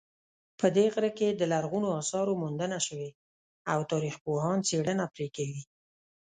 په دې غره کې د لرغونو آثارو موندنه شوې او تاریخپوهان څېړنه پرې کوي